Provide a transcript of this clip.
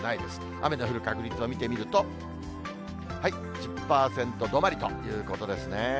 雨の降る確率を見てみると、１０％止まりということですね。